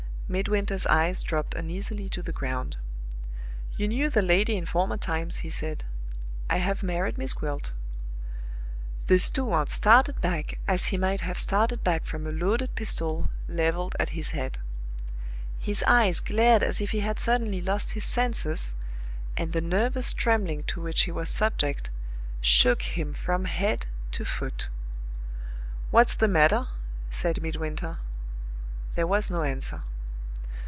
Midwinter's eyes dropped uneasily to the ground. "You knew the lady in former times," he said. "I have married Miss Gwilt." The steward started back as he might have started back from a loaded pistol leveled at his head. His eyes glared as if he had suddenly lost his senses, and the nervous trembling to which he was subject shook him from head to foot. "What's the matter?" said Midwinter. There was no answer.